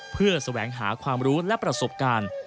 เพื่อแสวงหาความรู้และประสบการณ์